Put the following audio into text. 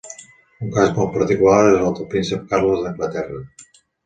Un cas molt particular és el del Príncep Carles d'Anglaterra.